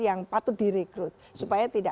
yang patut direkrut supaya tidak